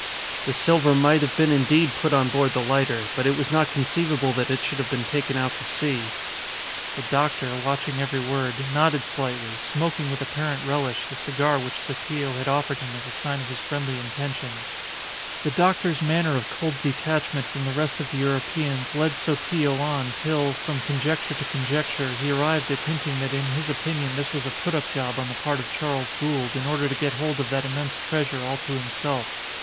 "The silver might have been indeed put on board the lighter, but it was not conceivable that it should have been taken out to sea." The doctor, watching every word, nodded slightly, smoking with apparent relish the cigar which Sotillo had offered him as a sign of his friendly intentions. The doctor's manner of cold detachment from the rest of the Europeans led Sotillo on, till, from conjecture to conjecture, he arrived at hinting that in his opinion this was a putup job on the part of Charles Gould, in order to get hold of that immense treasure all to himself.